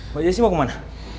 mbak jessy mau kemana